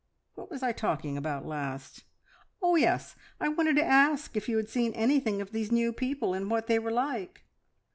What was I talking about last? Oh yes, I wanted to ask if you had seen anything of these new people, and what they were like."